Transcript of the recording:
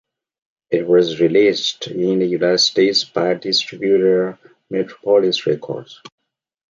It was released in the United States by the distributor Metropolis Records.